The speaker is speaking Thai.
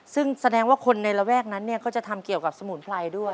ซึ่งแสดงว่าคนในระแวกนั้นเนี่ยก็จะทำเกี่ยวกับสมุนไพรด้วย